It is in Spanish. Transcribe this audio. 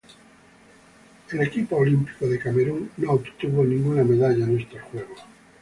El equipo olímpico de Camerún no obtuvo ninguna medalla en estos Juegos.